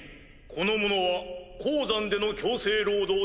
この者は鉱山での強制労働